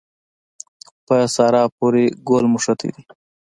په سارا پورې ګل مښتی دی.